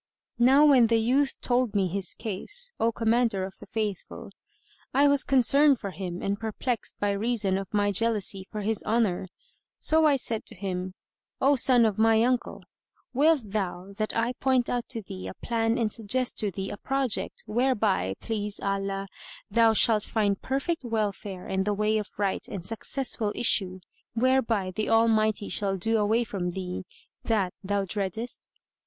Now when the youth told me his case, O Commander of the Faithful, I was concerned for him and perplexed by reason of my jealousy for his honour; so I said to him, "O son of my uncle, wilt thou that I point out to thee a plan and suggest to thee a project, whereby (please Allah) thou shalt find perfect welfare and the way of right and successful issue whereby the Almighty shall do away from thee that thou dreadest?"